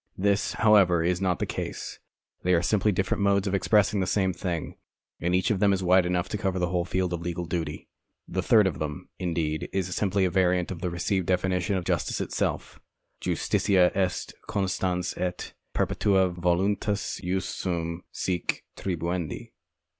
This, however, is not the case. They are simply different modes of expressing the same thing, and each of them is wide enough to cover the whole field of legal duty. The third of them, indeed, is simply a variant of the received definition of justice itself : Justitia est constans et perjoetua voluntas jus suum cuique tribuendi.